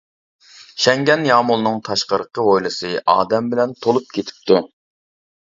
شەڭگەن يامۇلنىڭ تاشقىرىقى ھويلىسى ئادەم بىلەن تولۇپ كېتىپتۇ.